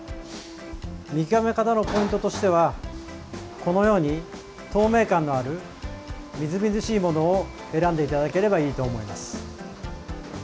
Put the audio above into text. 見極め方のポイントとしてはこのように透明感のあるみずみずしいものを選んでいただければいいと思います。